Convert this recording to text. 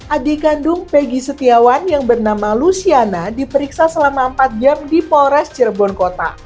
adik kandung peggy setiawan yang bernama luciana diperiksa selama empat jam di polres cirebon kota